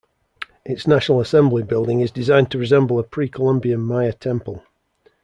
Its National Assembly Building is designed to resemble a Pre-Columbian Maya temple.